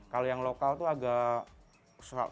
kalau yang lokal itu agak